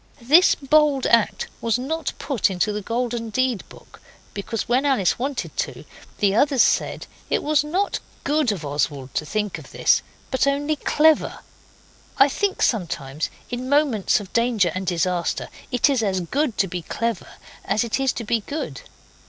This bold act was not put in the Golden Deed book, because when Alice wanted to, the others said it was not GOOD of Oswald to think of this, but only CLEVER. I think sometimes, in moments of danger and disaster, it is as good to be clever as it is to be good.